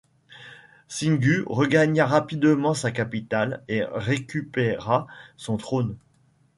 Singu regagna rapidement sa capitale et récupéra son trône.